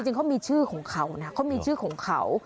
จริงเขามีชื่อของเขานะเขามีชื่อของเขา